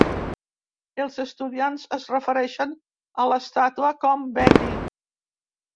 Els estudiants es refereixen a l'estàtua com "Benny".